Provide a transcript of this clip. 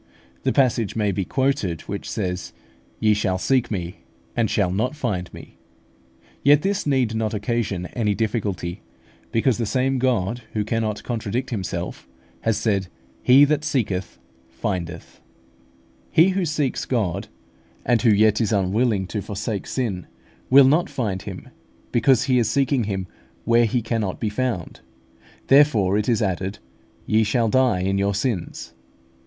The passage may be quoted which says, "Ye shall seek me, and shall not find me" (John vii. 34). Yet this need not occasion any difficulty; because the same God, who cannot contradict Himself, has said, "He that seeketh findeth" (Matt. vii. 8). _He who seeks God, and who yet is unwilling to forsake sin, will not find Him, because he is seeking Him where He cannot be found_; therefore it is added, "Ye shall die in your sins."